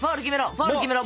フォール決めろ！